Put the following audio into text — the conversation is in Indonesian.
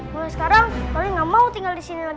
mulai sekarang toleh gak mau tinggal disini lagi